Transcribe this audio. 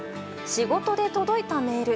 仕事で届いたメール。